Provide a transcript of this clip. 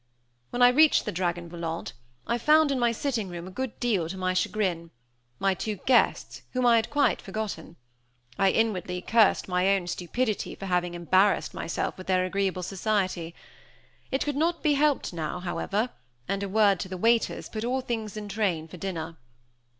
When I reached the Dragon Volant, I found, in my sitting room, a good deal to my chagrin, my two guests, whom I had quite forgotten. I inwardly cursed my own stupidity for having embarrassed myself with their agreeable society. It could not be helped now, however, and a word to the waiters put all things in train for dinner.